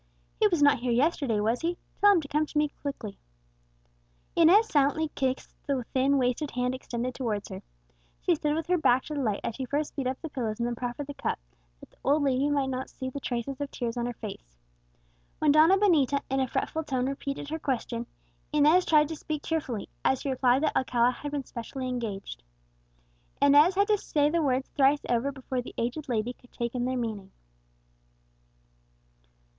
"He was not here yesterday, was he? tell him to come to me quickly." Inez silently kissed the thin wasted hand extended towards her. She stood with her back to the light as she first beat up the pillows and then proffered the cup, that the old lady might not see the traces of tears on her face. When Donna Benita, in a fretful tone, repeated her question, Inez tried to speak cheerfully, as she replied that Alcala had been specially engaged. Inez had to say the words thrice over before the aged lady could take in their meaning.